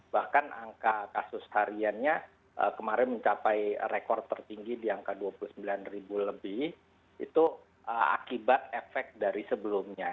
bahkan angka kasus hariannya kemarin mencapai rekor tertinggi di angka dua puluh sembilan ribu lebih itu akibat efek dari sebelumnya